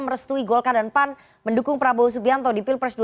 merestui golka dan pan mendukung prabowo subianto di pilpres dua ribu dua puluh empat